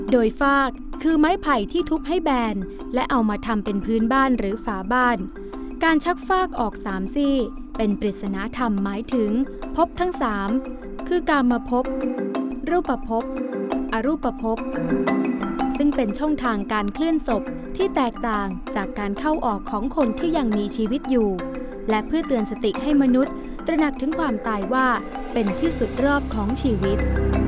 โดยฟากคือไม้ไผ่ที่ทุบให้แบนและเอามาทำเป็นพื้นบ้านหรือฝาบ้านการชักฟากออกสามซี่เป็นปริศนธรรมหมายถึงพบทั้งสามคือการมาพบรูปภรูปซึ่งเป็นช่องทางการเคลื่อนศพที่แตกต่างจากการเข้าออกของคนที่ยังมีชีวิตอยู่และเพื่อเตือนสติให้มนุษย์ตระหนักถึงความตายว่าเป็นที่สุดรอบของชีวิต